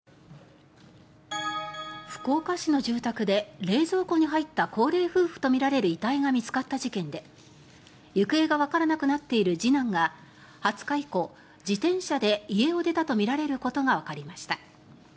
福岡市の住宅で冷蔵庫に入った高齢夫婦とみられる遺体が見つかった事件で行方がわからなくなっている次男が２０日以降、自転車で家を出たとみられることがわかりました。